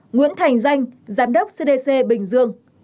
ba nguyễn thành danh giám đốc cdc bình dương